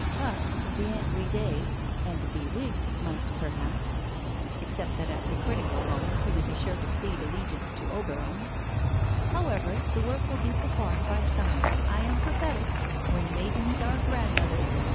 Puck 'biens ride' and bewigged might perhaps except that at the critical moment he would be sure to plead allegiance to Oberon. However, the work will be performed by some one: I am prophetic: when maidens are grandmothers!